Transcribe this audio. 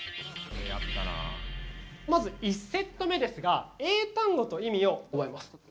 まず１セット目ですが英単語と意味を覚えます。